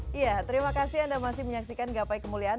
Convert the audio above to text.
dan sedikit diseyangkan